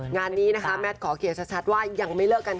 งานนี้นะคะแมทขอเขียนชัดว่ายังไม่เลิกกัน